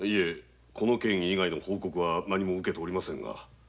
この件以外に報告は受けておりませんが。